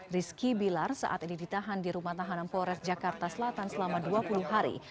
rizky bilar saat ini ditahan di rumah tahanan polres jakarta selatan selama dua puluh hari